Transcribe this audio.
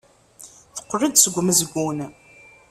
Teqqel-d seg umezgun.